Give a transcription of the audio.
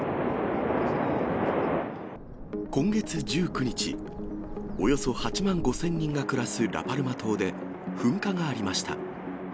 今月１９日、およそ８万５０００人が暮らすラパルマ島で、噴火がありました。